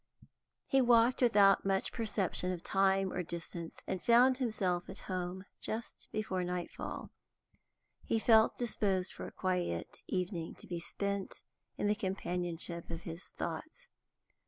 He walked without much perception of time or distance, and found himself at home just before nightfall. He felt disposed for a quiet evening, to be spent in the companionship of his thoughts.